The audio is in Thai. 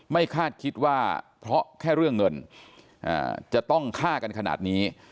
คาดคิดว่าเพราะแค่เรื่องเงินจะต้องฆ่ากันขนาดนี้